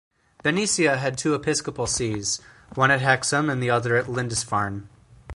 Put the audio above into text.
Bernicia had two episcopal sees, one at Hexham and the other at Lindisfarne.